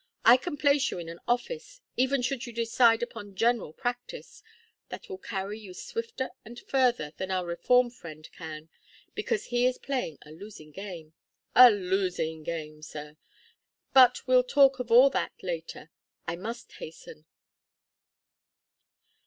I can place you in an office even should you decide upon general practice that will carry you swifter and further than our reform friend can, because he is playing a losing game a losing game, sir. But we'll talk of all that later. I must hasten."